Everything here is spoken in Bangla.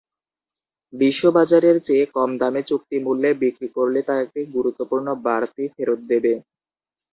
বিশ্ববাজারের চেয়ে কম দামে চুক্তিমূল্যে বিক্রি করলে তা একটি গুরুত্বপূর্ণ বাড়তি ফেরত দেবে।